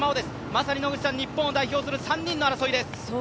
まさに日本を代表する３人の争いです。